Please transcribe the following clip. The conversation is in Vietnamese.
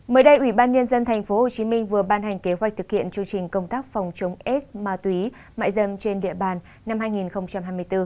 mới đây ủy ban nhân dân tp hcm vừa ban hành kế hoạch thực hiện chương trình công tác phòng chống s ma túy mại dâm trên địa bàn năm hai nghìn hai mươi bốn